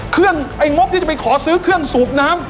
เคืองเอางบที่จะไปขอซื้อเคืองสูบน้ำ